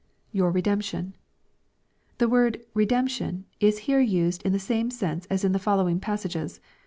[ Your redemption.] The word " redemption" is here used in the same sense as in the following passages.